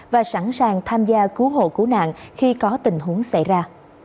và sẵn sàng tham gia cứu hộ cứu nạn khi có tình huống xảy ra